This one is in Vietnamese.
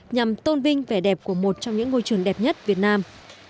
nhằm tôn vinh vẻ đẹp của một trong những ngôi trường đẹp nhất việt nam